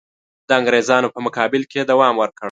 د انګرېزانو په مقابل کې یې دوام ورکړ.